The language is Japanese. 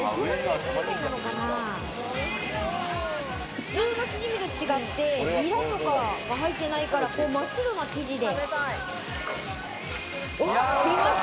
普通のチヂミと違って、ニラが入ってないから真っ白な生地で。